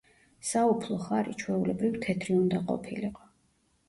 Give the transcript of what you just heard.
საუფლო ხარი ჩვეულებრივ თეთრი უნდა ყოფილიყო.